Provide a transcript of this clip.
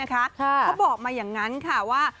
เขาบอกมาแบบนั้นค่ะว่า